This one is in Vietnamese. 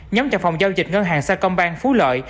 nhóm trong phòng giao dịch ngân hàng sa công bang phú lợi